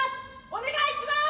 お願いします！